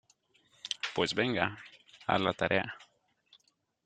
pues venga, a la tarea.